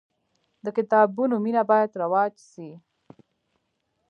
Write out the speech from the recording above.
د کتابونو مینه باید رواج سي.